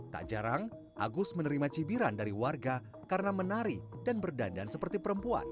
tak jarang agus menerima cibiran dari warga karena menari dan berdandan seperti perempuan